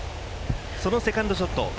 そのセカンドショット。